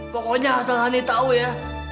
pokoknya asal honey tau ya